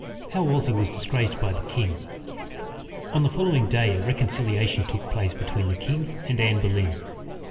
XII. How Wolsey was disgraced by the King. On the following day, a reconciliation took place between the king and Anne Boleyn.